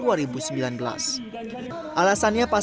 alasannya pasangan jokowi ma'ruf amin adalah jaringan yang berbeda